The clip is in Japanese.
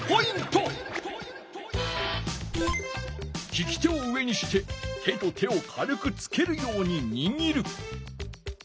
きき手を上にして手と手を軽くつけるようににぎる。